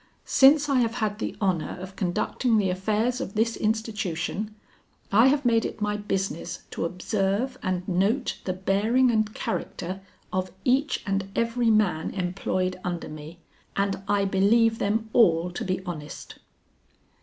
"Since I have had the honor of conducting the affairs of this institution, I have made it my business to observe and note the bearing and character of each and every man employed under me, and I believe them all to be honest."